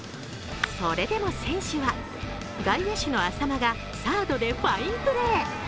それでも選手は、外野手の浅間がサードでファインプレー。